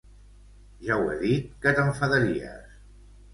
Ja ho he dit que t'enfadaries.